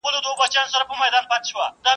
پاڼه تر رابعې ډېره ځوانه ده.